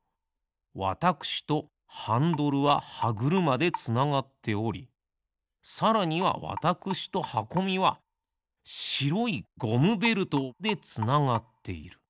わたくしとハンドルははぐるまでつながっておりさらにはわたくしとはこみはしろいゴムベルトでつながっている。